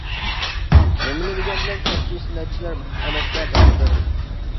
نېمىلا دېگەن بىلەن كەسپىي سەنئەتچىلەر ئەمەستە بەرىبىر.